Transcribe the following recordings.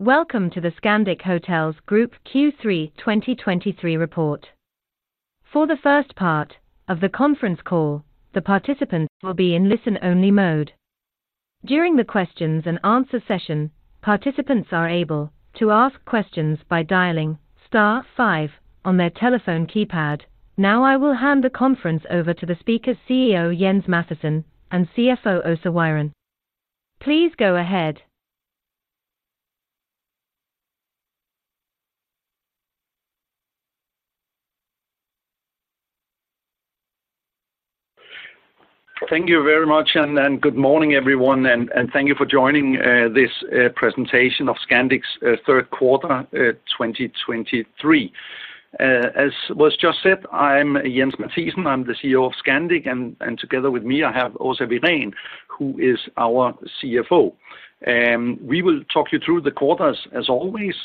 Welcome to the Scandic Hotels Group Q3 2023 report. For the first part of the conference call, the participants will be in listen-only mode. During the questions and answer session, participants are able to ask questions by dialing star five on their telephone keypad. Now, I will hand the conference over to the speaker, CEO Jens Mathiesen, and CFO Åsa Wirén. Please go ahead. Thank you very much, and good morning, everyone, and thank you for joining this presentation of Scandic's Q3 2023. As was just said, I'm Jens Mathiesen. I'm the CEO of Scandic, and together with me, I have Åsa Wirén, who is our CFO. We will talk you through the quarters, as always,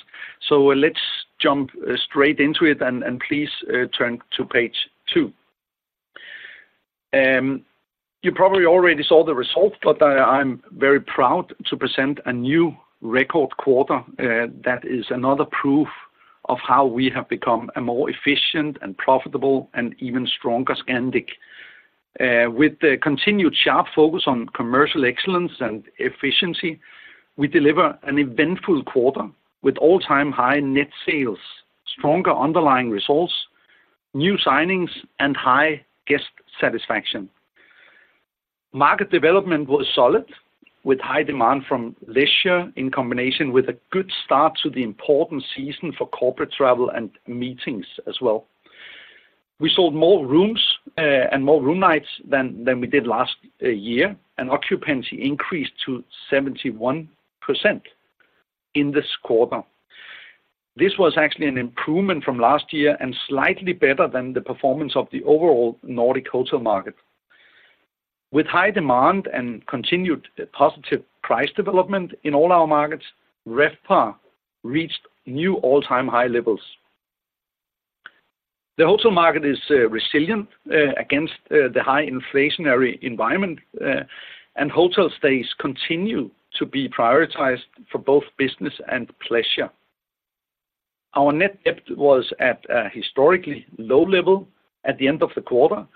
so let's jump straight into it, and please turn to page two. You probably already saw the results, but I'm very proud to present a new record quarter, that is another proof of how we have become a more efficient and profitable and even stronger Scandic. With the continued sharp focus on commercial excellence and efficiency, we deliver an eventful quarter, with all-time high net sales, stronger underlying results, new signings, and high guest satisfaction. Market development was solid, with high demand from leisure, in combination with a good start to the important season for corporate travel and meetings as well. We sold more rooms and more room nights than we did last year, and occupancy increased to 71% in this quarter. This was actually an improvement from last year and slightly better than the performance of the overall Nordic hotel market. With high demand and continued positive price development in all our markets, RevPAR reached new all-time high levels. The hotel market is resilient against the high inflationary environment, and hotel stays continue to be prioritized for both business and pleasure. Our net debt was at a historically low level at the end of the quarter,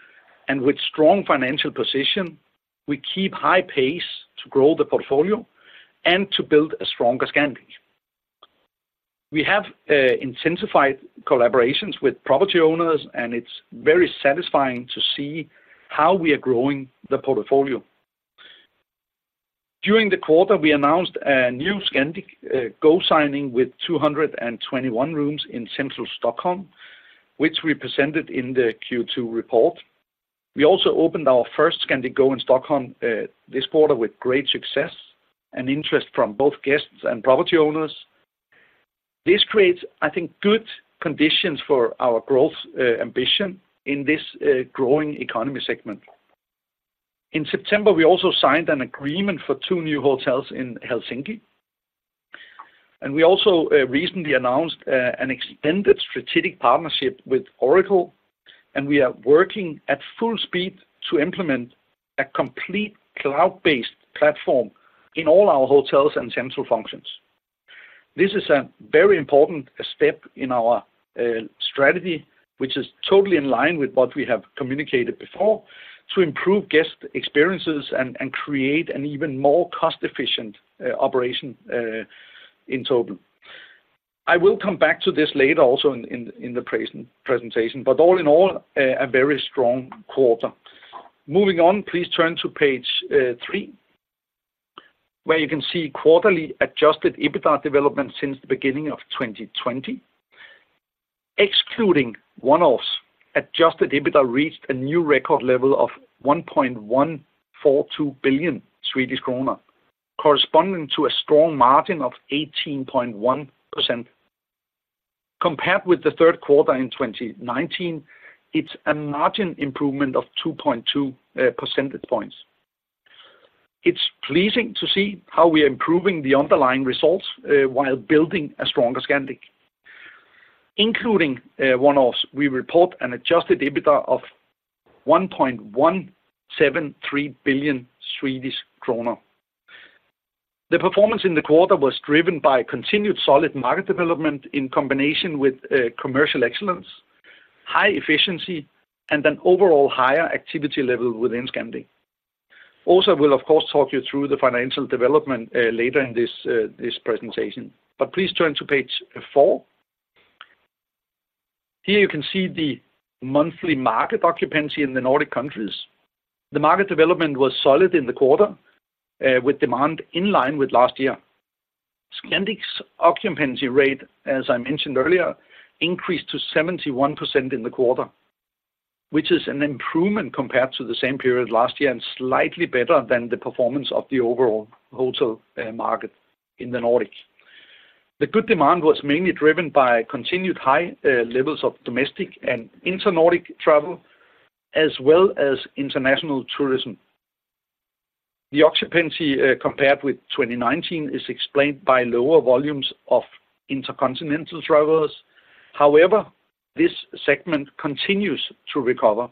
and with strong financial position, we keep high pace to grow the portfolio and to build a stronger Scandic. We have intensified collaborations with property owners, and it's very satisfying to see how we are growing the portfolio. During the quarter, we announced a new Scandic Go signing with 221 rooms in central Stockholm, which we presented in the Q2 report. We also opened our first Scandic Go in Stockholm this quarter with great success and interest from both guests and property owners. This creates, I think, good conditions for our growth ambition in this growing economy segment. In September, we also signed an agreement for two new hotels in Helsinki, and we also recently announced an extended strategic partnership with Oracle, and we are working at full speed to implement a complete cloud-based platform in all our hotels and central functions. This is a very important step in our strategy, which is totally in line with what we have communicated before, to improve guest experiences and create an even more cost-efficient operation in total. I will come back to this later also in the presentation, but all in all, a very strong quarter. Moving on, please turn to page three, where you can see quarterly Adjusted EBITDA development since the beginning of 2020. Excluding one-offs, Adjusted EBITDA reached a new record level of 1.142 billion Swedish kronor, corresponding to a strong margin of 18.1%. Compared with the Q3 in 2019, it's a margin improvement of 2.2 percentage points. It's pleasing to see how we are improving the underlying results while building a stronger Scandic. Including one-offs, we report an Adjusted EBITDA of 1.173 billion Swedish kronor. The performance in the quarter was driven by continued solid market development in combination with commercial excellence, high efficiency, and an overall higher activity level within Scandic. Also, we'll, of course, talk you through the financial development later in this presentation, but please turn to page four. Here, you can see the monthly market occupancy in the Nordic countries. The market development was solid in the quarter with demand in line with last year. Scandic's occupancy rate, as I mentioned earlier, increased to 71% in the quarter, which is an improvement compared to the same period last year, and slightly better than the performance of the overall hotel market in the Nordics. The good demand was mainly driven by continued high levels of domestic and inter-Nordic travel, as well as international tourism. The occupancy compared with 2019 is explained by lower volumes of intercontinental travelers. However, this segment continues to recover.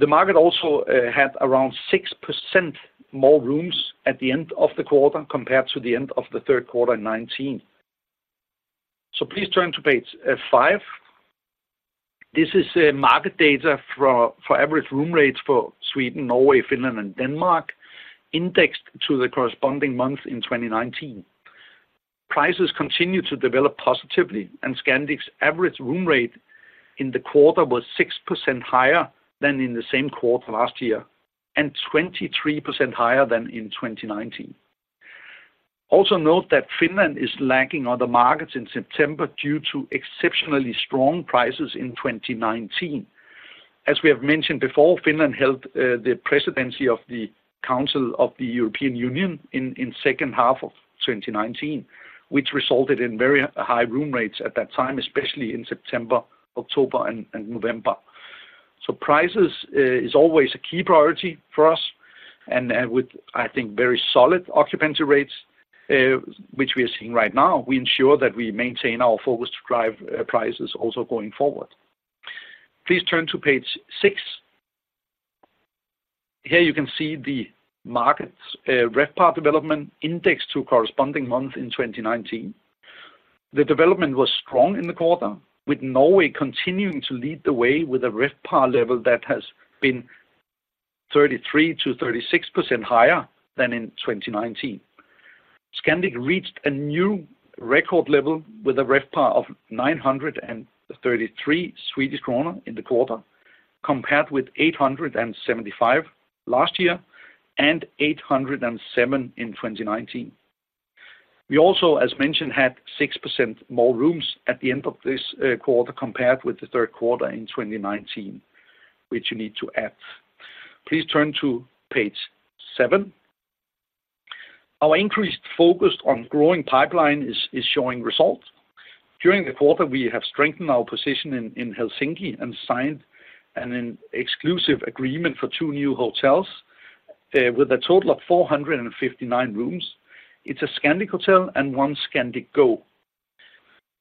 The market also had around 6% more rooms at the end of the quarter compared to the end of the Q3 in 2019. So please turn to page five. This is market data for average room rates for Sweden, Norway, Finland, and Denmark, indexed to the corresponding month in 2019. Prices continue to develop positively, and Scandic's average room rate in the quarter was 6% higher than in the same quarter last year, and 23% higher than in 2019. Also note that Finland is lagging other markets in September due to exceptionally strong prices in 2019. As we have mentioned before, Finland held the presidency of the Council of the European Union in the second half of 2019, which resulted in very high room rates at that time, especially in September, October, and November. So prices is always a key priority for us, and with, I think, very solid occupancy rates, which we are seeing right now, we ensure that we maintain our focus to drive prices also going forward. Please turn to page six. Here you can see the markets, RevPAR development indexed to corresponding month in 2019. The development was strong in the quarter, with Norway continuing to lead the way with a RevPAR level that has been 33%-36% higher than in 2019. Scandic reached a new record level with a RevPAR of 933 Swedish kronor in the quarter, compared with 875 last year and 807 in 2019. We also, as mentioned, had 6% more rooms at the end of this quarter, compared with the Q3 in 2019. Please turn to page seven. Our increased focus on growing pipeline is showing results. During the quarter, we have strengthened our position in Helsinki and signed an exclusive agreement for two new hotels with a total of 459 rooms. It's a Scandic hotel and one Scandic Go.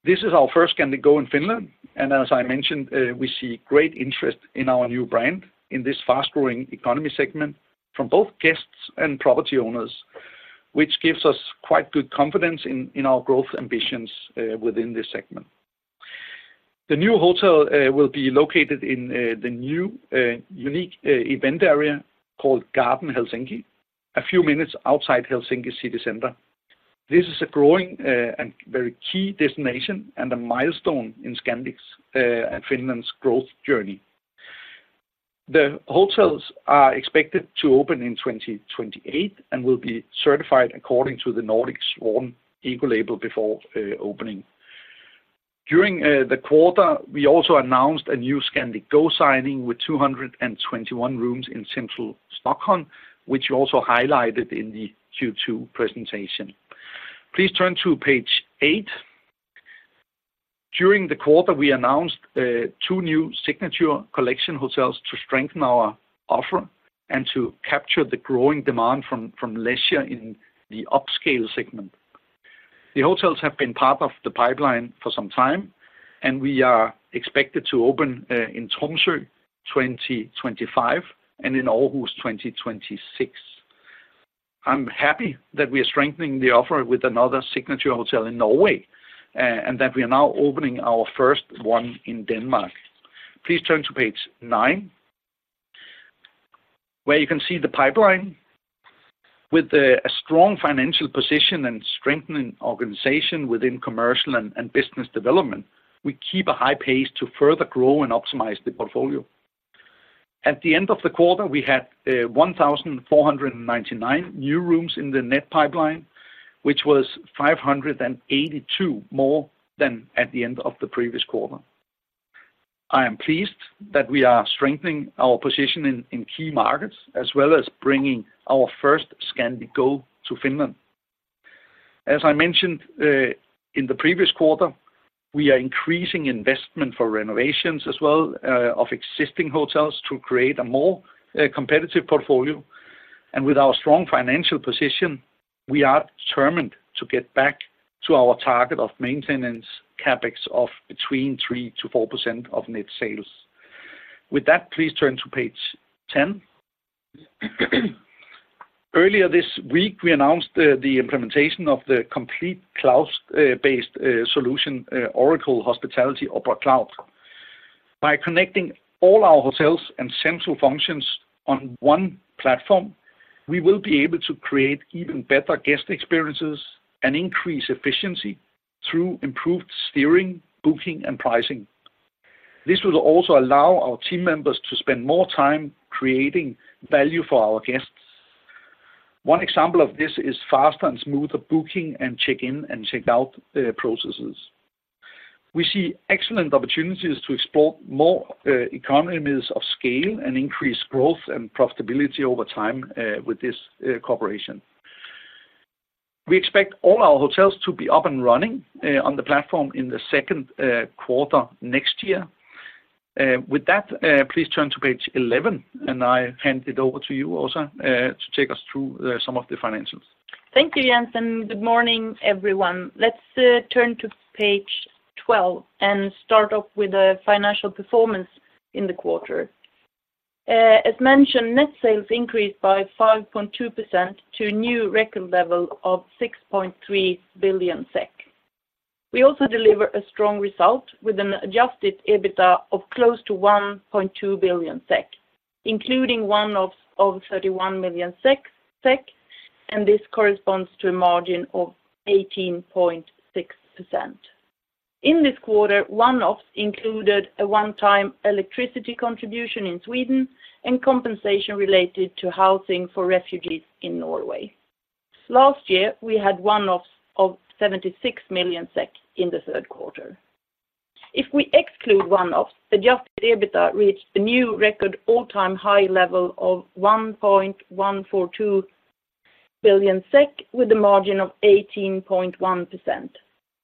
This is our first Scandic Go in Finland, and as I mentioned, we see great interest in our new brand in this fast-growing economy segment from both guests and property owners, which gives us quite good confidence in our growth ambitions within this segment. The new hotel will be located in the new unique event area called Garden Helsinki, a few minutes outside Helsinki city center. This is a growing and very key destination and a milestone in Scandic's and Finland's growth journey. The hotels are expected to open in 2028 and will be certified according to the Nordic Swan Ecolabel before opening. During the quarter, we also announced a new Scandic Go signing with 221 rooms in central Stockholm, which you also highlighted in the Q2 presentation. Please turn to page eight. During the quarter, we announced two new Signature Collection hotels to strengthen our offer and to capture the growing demand from leisure in the upscale segment. The hotels have been part of the pipeline for some time, and we are expected to open in Tromsø, 2025, and in August, 2026. I'm happy that we are strengthening the offer with another Signature Collection hotel in Norway, and that we are now opening our first one in Denmark. Please turn to page nine, where you can see the pipeline. With a strong financial position and strengthening organization within commercial and business development, we keep a high pace to further grow and optimize the portfolio. At the end of the quarter, we had 1,499 new rooms in the net pipeline, which was 582 more than at the end of the previous quarter. I am pleased that we are strengthening our position in key markets, as well as bringing our first Scandic Go to Finland. As I mentioned in the previous quarter, we are increasing investment for renovations as well of existing hotels to create a more competitive portfolio. With our strong financial position, we are determined to get back to our target of maintenance CapEx of between 3%-4% of net sales. With that, please turn to page ten. Earlier this week, we announced the implementation of the complete cloud-based solution, Oracle Hospitality OPERA Cloud. By connecting all our hotels and central functions on one platform, we will be able to create even better guest experiences and increase efficiency through improved steering, booking, and pricing. This will also allow our team members to spend more time creating value for our guests. One example of this is faster and smoother booking, and check-in and check-out processes. We see excellent opportunities to explore more economies of scale and increase growth and profitability over time with this cooperation. We expect all our hotels to be up and running on the platform in the Q2 next year. With that, please turn to page 11, and I hand it over to you, Åsa, to take us through some of the financials. Thank you, Jens, and good morning, everyone. Let's turn to page 12 and start off with the financial performance in the quarter. As mentioned, net sales increased by 5.2% to a new record level of 6.3 billion SEK. We also deliver a strong result with an Adjusted EBITDA of close to 1.2 billion SEK, including one-offs of 31 million SEK, and this corresponds to a margin of 18.6%. In this quarter, one-offs included a one-time electricity contribution in Sweden and compensation related to housing for refugees in Norway. Last year, we had one-offs of 76 million SEK in the Q3. If we exclude one-offs, Adjusted EBITDA reached a new record all-time high level of 1.142 billion SEK, with a margin of 18.1%.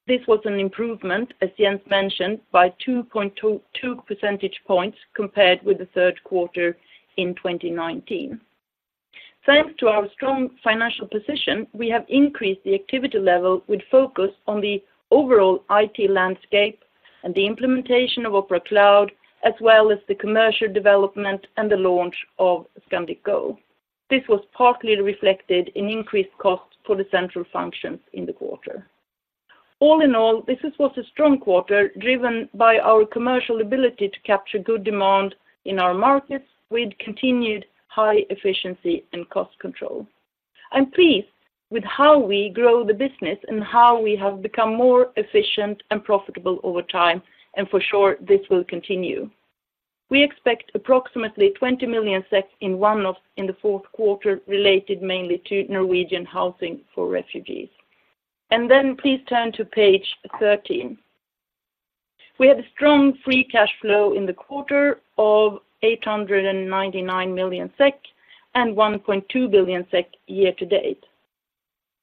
This was an improvement, as Jens mentioned, by 2.2 percentage points compared with the Q3 in 2019. Thanks to our strong financial position, we have increased the activity level with focus on the overall IT landscape and the implementation of OPERA Cloud, as well as the commercial development and the launch of Scandic Go. This was partly reflected in increased costs for the central functions in the quarter. All in all, this was a strong quarter, driven by our commercial ability to capture good demand in our markets, with continued high efficiency and cost control. I'm pleased with how we grow the business and how we have become more efficient and profitable over time, and for sure, this will continue. We expect approximately 20 million SEK in one-offs in the Q4, related mainly to Norwegian housing for refugees. Then please turn to page 13. We had a strong free cash flow in the quarter of 899 million SEK, and 1.2 billion SEK year-to-date.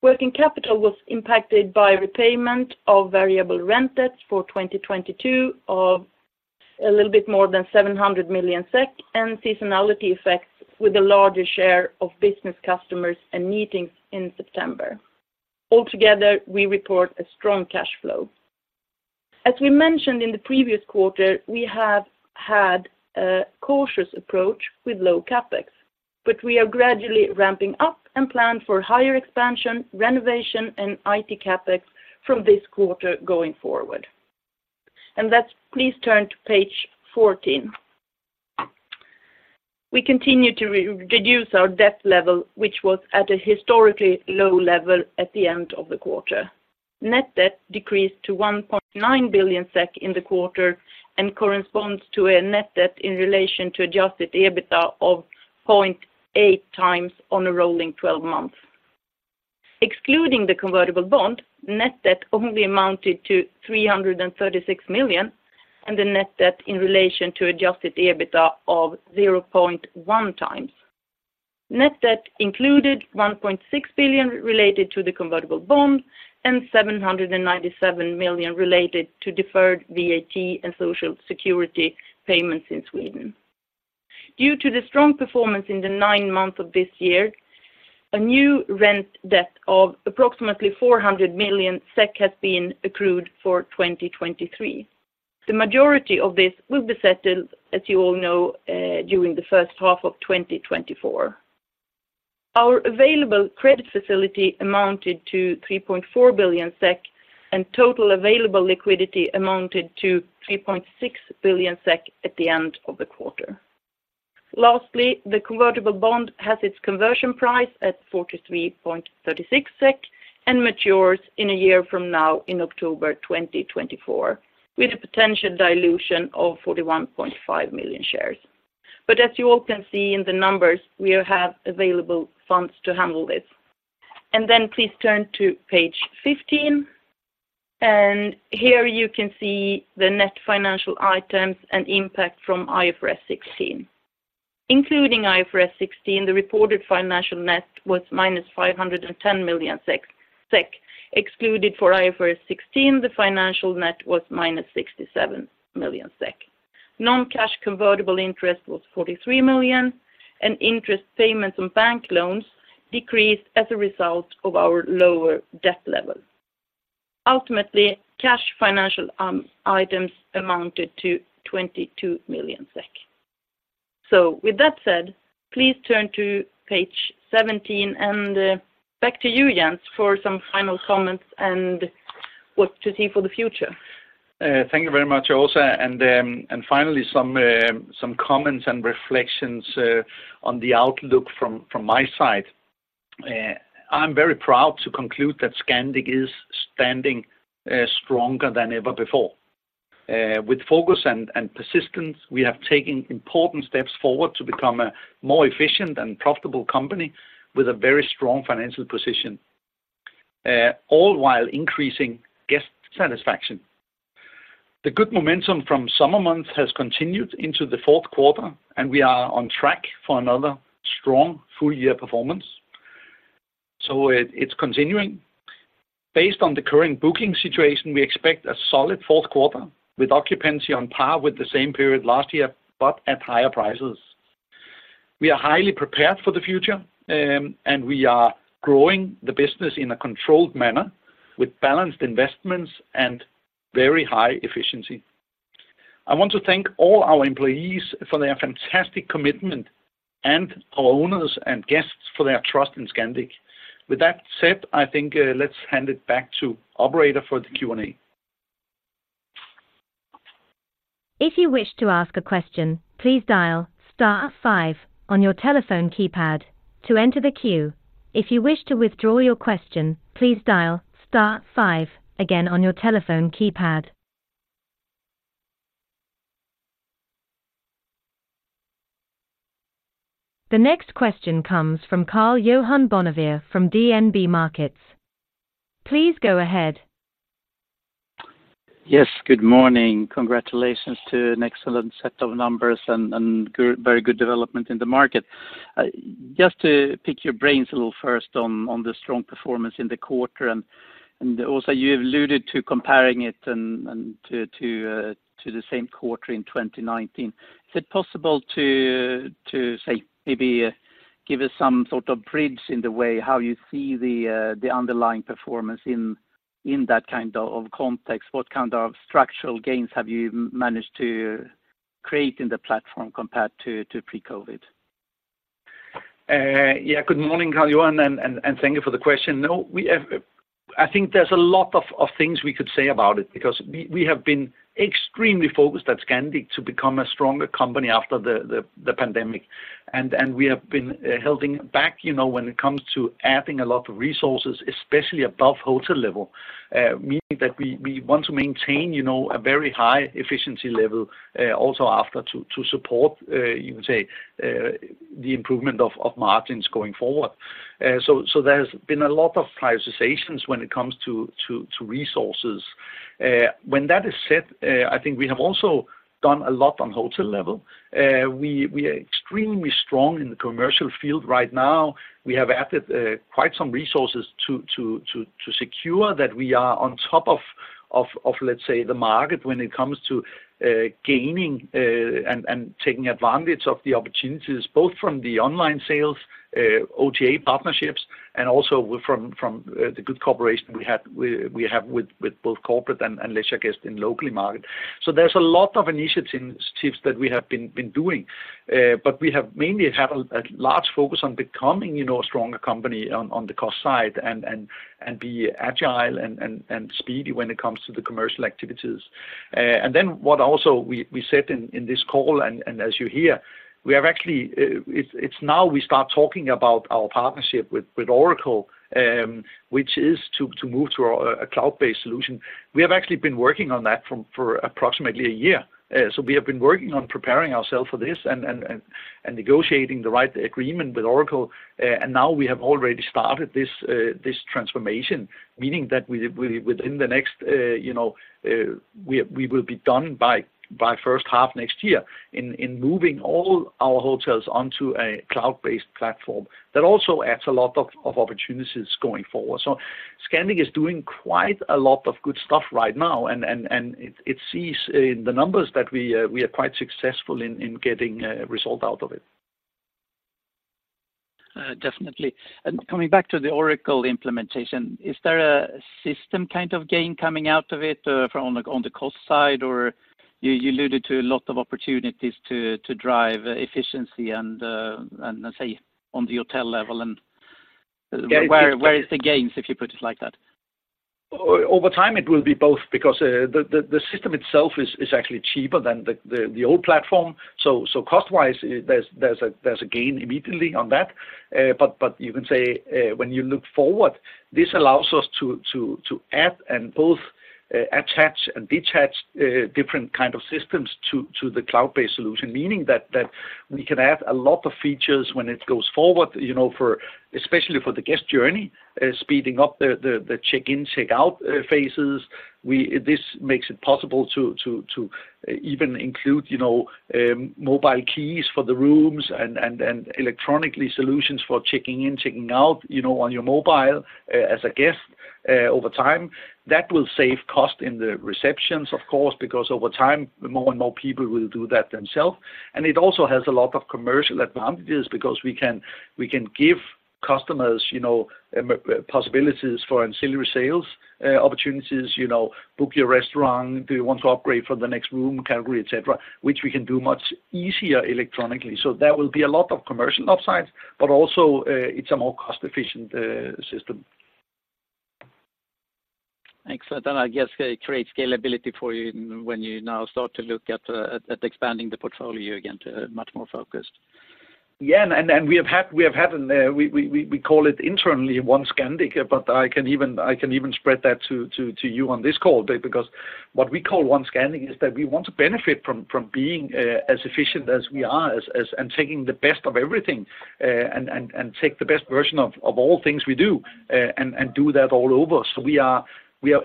Working capital was impacted by repayment of variable rent debts for 2022 of a little bit more than 700 million SEK, and seasonality effects with a larger share of business customers and meetings in September. Altogether, we report a strong cash flow. As we mentioned in the previous quarter, we have had a cautious approach with low CapEx, but we are gradually ramping up and plan for higher expansion, renovation, and IT CapEx from this quarter going forward. Then let's please turn to page 14. We continue to reduce our debt level, which was at a historically low level at the end of the quarter. Net debt decreased to 1.9 billion SEK in the quarter and corresponds to a net debt in relation to Adjusted EBITDA of 0.8 times on a rolling twelve months. Excluding the convertible bond, net debt only amounted to 336 million, and the net debt in relation to Adjusted EBITDA of 0.1x. Net debt included 1.6 billion related to the convertible bond and 797 million related to deferred VAT and social security payments in Sweden. Due to the strong performance in the nine months of this year, a new rent debt of approximately 400 million SEK has been accrued for 2023. The majority of this will be settled, as you all know, during the first half of 2024. Our available credit facility amounted to 3.4 billion SEK, and total available liquidity amounted to 3.6 billion SEK at the end of the quarter. Lastly, the convertible bond has its conversion price at 43.36 SEK and matures in a year from now in October 2024, with a potential dilution of 41.5 million shares. But as you all can see in the numbers, we have available funds to handle this. Then please turn to page 15, and here you can see the net financial items and impact from IFRS 16. Including IFRS 16, the reported financial net was minus 510 million SEK. Excluded for IFRS 16, the financial net was minus 67 million SEK. Non-cash convertible interest was 43 million, and interest payments on bank loans decreased as a result of our lower debt level. Ultimately, cash financial items amounted to 22 million SEK. So with that said, please turn to page 17, and back to you, Jens, for some final comments and what to see for the future. Thank you very much, Åsa. Finally, some comments and reflections on the outlook from my side. I'm very proud to conclude that Scandic is standing stronger than ever before. With focus and persistence, we have taken important steps forward to become a more efficient and profitable company with a very strong financial position, all while increasing guest satisfaction. The good momentum from summer months has continued into the Q4, and we are on track for another strong full year performance. So it's continuing. Based on the current booking situation, we expect a solid Q4, with occupancy on par with the same period last year, but at higher prices. We are highly prepared for the future, and we are growing the business in a controlled manner with balanced investments and very high efficiency. I want to thank all our employees for their fantastic commitment, and our owners and guests for their trust in Scandic. With that said, I think, let's hand it back to operator for the Q&A. If you wish to ask a question, please dial star five on your telephone keypad to enter the queue. If you wish to withdraw your question, please dial star five again on your telephone keypad. The next question comes from Karl-Johan Bonnevier from DNB Markets. Please go ahead. Yes, good morning. Congratulations to an excellent set of numbers and good, very good development in the market. Just to pick your brains a little first on the strong performance in the quarter, and also you have alluded to comparing it and to the same quarter in 2019. Is it possible to say, maybe give us some sort of bridge in the way how you see the underlying performance in that kind of context? What kind of structural gains have you managed to create in the platform compared to pre-COVID? Yeah. Good morning, Karl-Johan, and thank you for the question. No, we have. I think there's a lot of things we could say about it, because we have been extremely focused at Scandic to become a stronger company after the pandemic. And we have been holding back, you know, when it comes to adding a lot of resources, especially above hotel level, meaning that we want to maintain, you know, a very high efficiency level, also after to support, you can say, the improvement of margins going forward. So, there's been a lot of prioritizations when it comes to resources. When that is said, I think we have also done a lot on hotel level. We are extremely strong in the commercial field right now. We have added quite some resources to secure that we are on top of, let's say, the market when it comes to gaining and taking advantage of the opportunities, both from the online sales, OTA partnerships, and also from the good cooperation we have with both corporate and leisure guests in local market. So there's a lot of initiatives that we have been doing, but we have mainly had a large focus on becoming, you know, a stronger company on the cost side and be agile and speedy when it comes to the commercial activities. And then what we also said in this call, and as you hear, we have actually, it's now we start talking about our partnership with Oracle, which is to move to a cloud-based solution. We have actually been working on that for approximately a year. So we have been working on preparing ourselves for this and negotiating the right agreement with Oracle. And now we have already started this transformation, meaning that we, within the next, you know, we will be done by first half next year in moving all our hotels onto a cloud-based platform. That also adds a lot of opportunities going forward. So Scandic is doing quite a lot of good stuff right now, and it sees in the numbers that we are quite successful in getting result out of it. Definitely. And coming back to the Oracle implementation, is there a system kind of gain coming out of it, from the cost side? Or you alluded to a lot of opportunities to drive efficiency and, say, on the hotel level, and where is the gains, if you put it like that? Over time, it will be both, because the system itself is actually cheaper than the old platform. So cost-wise, there's a gain immediately on that. But you can say, when you look forward, this allows us to add and both attach and detach different kind of systems to the cloud-based solution. Meaning that we can add a lot of features when it goes forward, you know, especially for the guest journey, speeding up the check-in, check-out phases. This makes it possible to even include, you know, mobile keys for the rooms and electronic solutions for checking in, checking out, you know, on your mobile, as a guest, over time. That will save cost in the receptions, of course, because over time, more and more people will do that themselves. And it also has a lot of commercial advantages because we can give customers, you know, possibilities for ancillary sales opportunities. You know, book your restaurant, do you want to upgrade for the next room category, et cetera, which we can do much easier electronically. So there will be a lot of commercial upsides, but also, it's a more cost-efficient system. Excellent. And I guess it creates scalability for you when you now start to look at expanding the portfolio again to much more focused. Yeah, and we have had an, we call it internally One Scandic, but I can even spread that to you on this call. Because what we call One Scandic is that we want to benefit from being as efficient as we are, as—and taking the best of everything, and take the best version of all things we do, and do that all over. So we are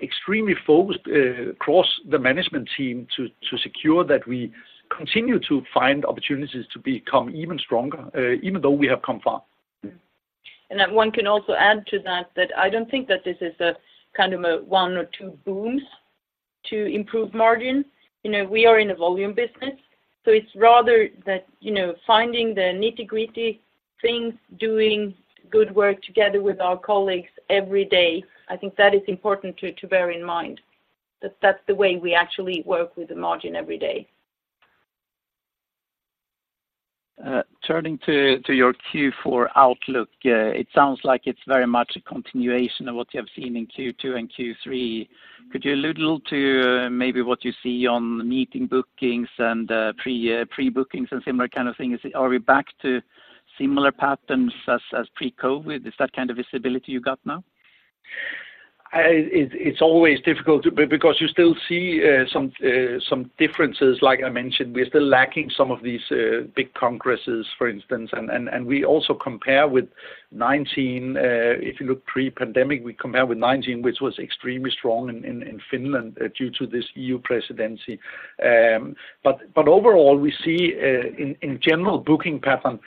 extremely focused across the management team to secure that we continue to find opportunities to become even stronger, even though we have come far. One can also add to that, that I don't think that this is a kind of a one or two booms. To improve margins, you know, we are in a volume business, so it's rather that, you know, finding the nitty-gritty things, doing good work together with our colleagues every day. I think that is important to bear in mind, that that's the way we actually work with the margin every day. Turning to your Q4 outlook, it sounds like it's very much a continuation of what you have seen in Q2 and Q3. Could you allude a little to maybe what you see on the meeting bookings and pre-bookings and similar kind of things? Are we back to similar patterns as pre-COVID? Is that kind of visibility you got now? It's always difficult because you still see some differences like I mentioned. We're still lacking some of these big congresses, for instance. And we also compare with 2019, if you look pre-pandemic, we compare with 2019, which was extremely strong in Finland due to this EU presidency. But overall, we see in general booking pattern,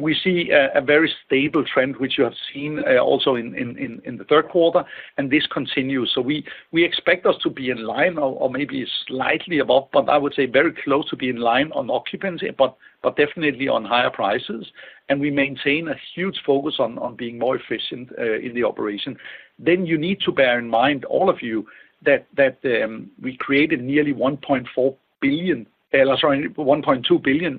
we see a very stable trend, which you have seen also in the Q3, and this continues. So we expect us to be in line or maybe slightly above, but I would say very close to be in line on occupancy, but definitely on higher prices. And we maintain a huge focus on being more efficient in the operation. Then you need to bear in mind, all of you, that we created nearly 1.4 billion, sorry, 1.2 billion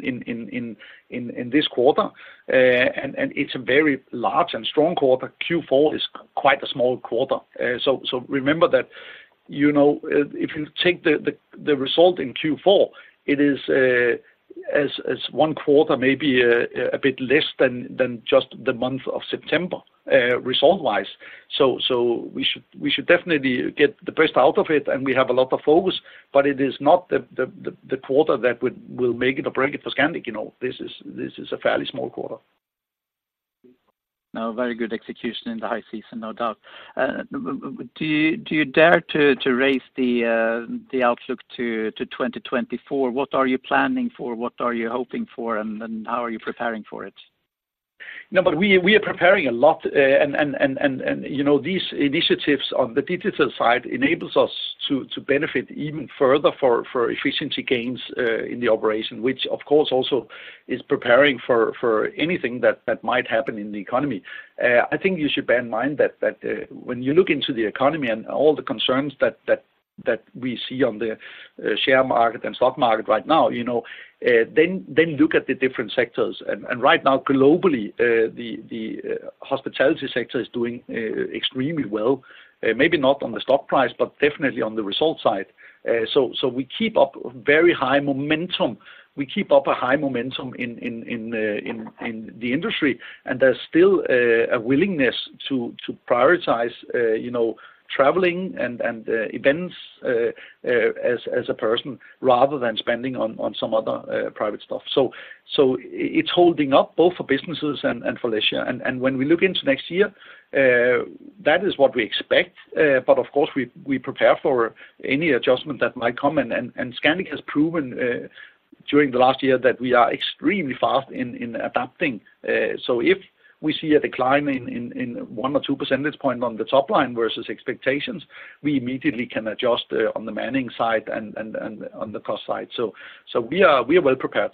in this quarter. And it's a very large and strong quarter. Q4 is quite a small quarter. So remember that, you know, if you take the result in Q4, it is, as one quarter, maybe a bit less than just the month of September, result-wise. So we should definitely get the best out of it, and we have a lot of focus, but it is not the quarter that will make it or break it for Scandic, you know. This is a fairly small quarter. Now, very good execution in the high season, no doubt. Do you dare to raise the outlook to 2024? What are you planning for? What are you hoping for, and how are you preparing for it? No, but we are preparing a lot, and you know, these initiatives on the digital side enables us to benefit even further for efficiency gains in the operation, which of course also is preparing for anything that might happen in the economy. I think you should bear in mind that when you look into the economy and all the concerns that we see on the share market and stock market right now, you know, then look at the different sectors. And right now, globally, the hospitality sector is doing extremely well, maybe not on the stock price, but definitely on the result side. So we keep up very high momentum. We keep up a high momentum in the industry, and there's still a willingness to prioritize, you know, traveling and events as a person, rather than spending on some other private stuff. So it's holding up both for businesses and for leisure. And when we look into next year, that is what we expect. But of course, we prepare for any adjustment that might come and Scandic has proven during the last year that we are extremely fast in adapting. So if we see a decline in 1% or 2% point on the top line versus expectations, we immediately can adjust on the manning side and on the cost side. So we are well prepared.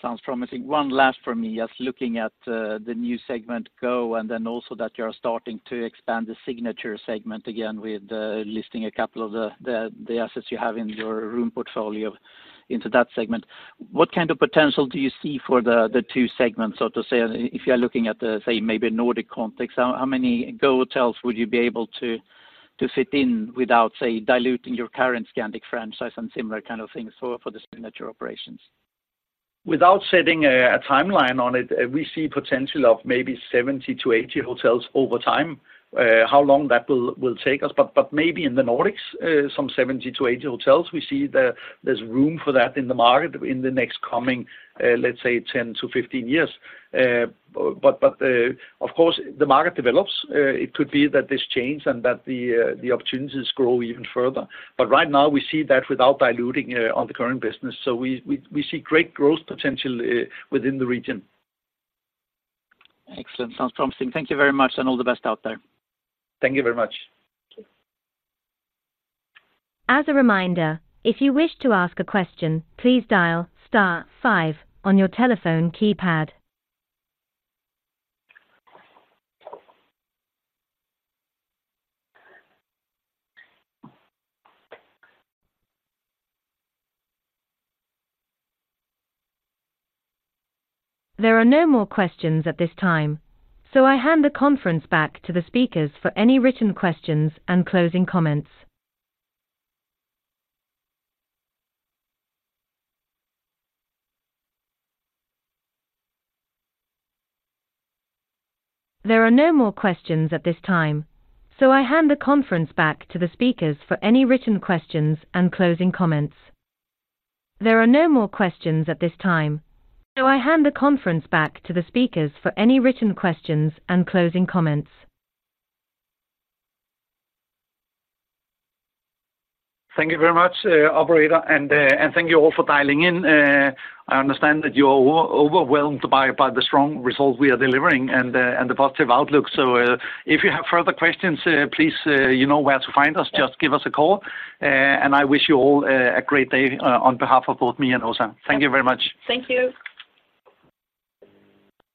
Sounds promising. One last for me. Just looking at the new segment Go, and then also that you are starting to expand the Signature segment again with listing a couple of the assets you have in your room portfolio into that segment. What kind of potential do you see for the two segments? So to say, if you're looking at the, say, maybe Nordic context, how many Go hotels would you be able to fit in without, say, diluting your current Scandic franchise and similar kind of things for the Signature operations? Without setting a timeline on it, we see potential of maybe 70 to 80 hotels over time. How long that will take us, but maybe in the Nordics, some 70 to 80 hotels. We see that there's room for that in the market, in the next coming, let's say, 10 to 15 years. But, of course, the market develops. It could be that this change and that the opportunities grow even further. But right now, we see that without diluting on the current business. So we see great growth potential within the region. Excellent. Sounds promising. Thank you very much, and all the best out there. Thank you very much. There are no more questions at this time, so I hand the conference back to the speakers for any written questions and closing comments. Thank you very much, operator, and, and thank you all for dialing in. I understand that you're overwhelmed by, by the strong results we are delivering and, and the positive outlook. So, if you have further questions, please, you know where to find us. Just give us a call, and I wish you all, a great day, on behalf of both me and Åsa. Thank you very much. Thank you.